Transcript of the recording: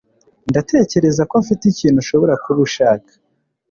Ndatekereza ko mfite ikintu ushobora kuba ushaka